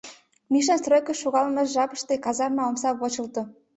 Мишан стройыш шогалмыж жапыште казарма омса почылто.